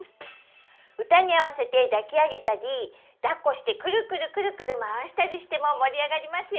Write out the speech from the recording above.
歌に合わせて抱き上げたりだっこしてくるくるくるくる回したりしても盛り上がりますよ！